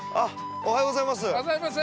◆おはようございます。